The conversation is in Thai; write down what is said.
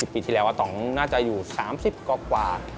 ปีที่แล้วอาต๋องน่าจะอยู่๓๐กว่า